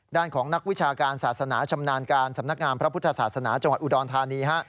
ด้านของนักวิชาการศาสนาชำนาญการสำนักงามพระพุทธศาสนาจังหวัดอุดรธานี